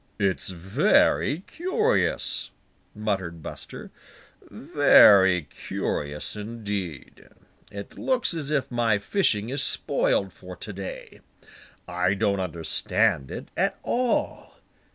"It's very curious," muttered Buster, "very curious indeed. It looks as if my fishing is spoiled for to day. I don't understand it at all.